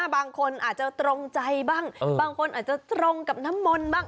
บางคนอาจจะตรงใจบ้างบางคนอาจจะตรงกับน้ำมนต์บ้าง